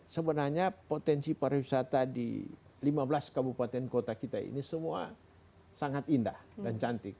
sebenarnya potensi pariwisata di lima belas kabupaten kota kita ini semua sangat indah dan cantik